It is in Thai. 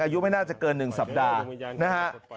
อายุไม่น่าจะเกิน๑สัปดาห์นะฮะ